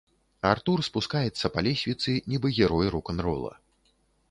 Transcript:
Артур спускаецца па лесвіцы, нібы герой рок-н-рола.